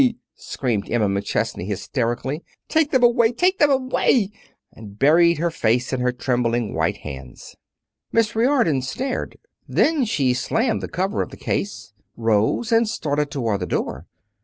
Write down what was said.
screamed Emma McChesney hysterically. "Take them away! Take them away!" And buried her face in her trembling white hands. Miss Riordon stared. Then she slammed the cover of the case, rose, and started toward the door.